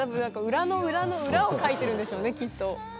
裏の裏の裏をかいてるんでしょうねきっと。